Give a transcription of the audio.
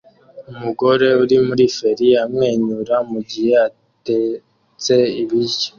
Umugabo uri muri feri amwenyura mugihe atetse ibiryo